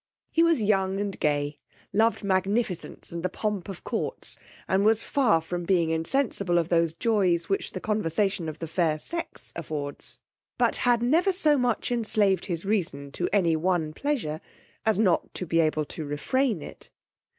He was young and gay, loved magnificence and the pomp of courts, and was far from being insensible of those joys which the conversation of the fair sex affords; but had never so much enslaved his reason to any one pleasure, as not to be able to refrain it.